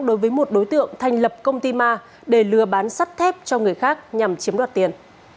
đối với một đối tượng thành lập công ty ma để lừa bán sắt thép cho người khác nhằm chiếm đoạt tiền